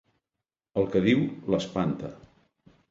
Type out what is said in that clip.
El que diu l'espanta.